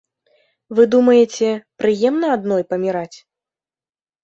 Вы думаеце, прыемна адной паміраць?